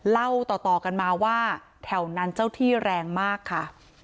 เล่าต่อกันมาว่าแถวนั้นเจ้าที่แรงมากค่ะ